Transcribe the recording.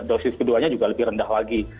dosis keduanya juga lebih rendah lagi